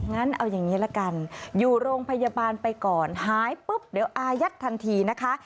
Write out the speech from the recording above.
งั้นเอาอย่างนี้ละกันอยู่โรงพยาบาลไปก่อนหายปุ๊บเดี๋ยวอายัดทันทีนะคะ